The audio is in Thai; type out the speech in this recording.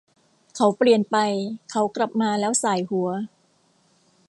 เขาเปลี่ยนไปเขากลับมาแล้วส่ายหัว